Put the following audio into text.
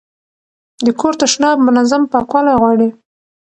د کور تشناب منظم پاکوالی غواړي.